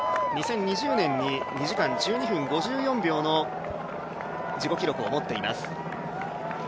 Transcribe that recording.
２０２０年に２時間１２分５４秒の自己記録を持っています。